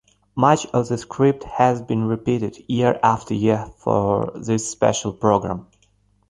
Much of the script has been repeated year after year for this special programme.